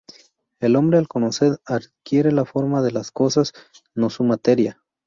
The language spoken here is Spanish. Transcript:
El hombre, al conocer, adquiere la "forma" de las cosas, no su materia.